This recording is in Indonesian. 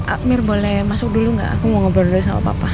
akmir boleh masuk dulu nggak aku mau ngobrol dulu sama papa